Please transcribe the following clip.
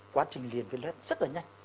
quá trình liền vết lết rất là nhanh